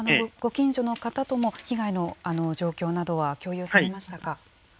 ご近所の方とも被害の状況などは共有されましたか。